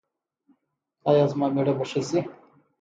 ایا زما میړه به ښه شي؟